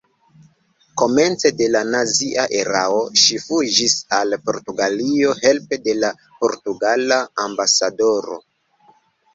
Komence de la nazia erao ŝi fuĝis al Portugalio helpe de la portugala ambasadoro.